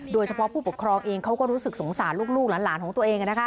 โดยเฉพาะผู้ปกครองเองเขาก็รู้สึกสงสารลูกหลานของตัวเอง